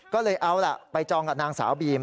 ก็เลยเอาล่ะไปจองกับนางสาวบีม